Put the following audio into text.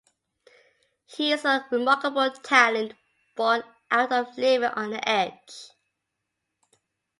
He is a remarkable talent, born out of living on the edge.